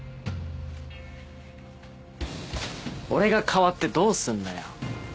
俺が変わってどうすんだよ。